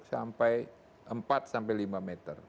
sampai empat sampai lima meter